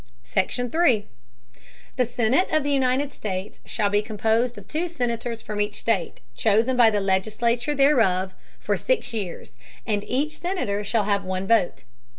SECTION. 3. The Senate of the United States shall be composed of two Senators from each State, chosen by the Legislature thereof, for six Years; and each Senator shall have one Vote.